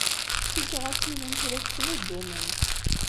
Cikkeɣ ad tilimt la tettnuddumemt.